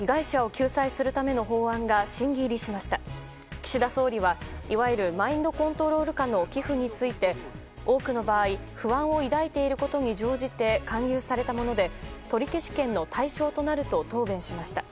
岸田総理は、いわゆるマインドコントロール下の寄付について多くの場合不安を抱いていることに乗じて勧誘されたもので取消権の対象となると答弁しました。